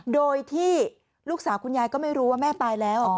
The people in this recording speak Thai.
โดยที่ลูกสาวคุณยายก็ไม่รู้ว่าแม่ตายแล้ว